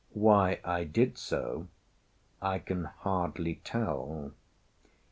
Why I did so I can hardly tell.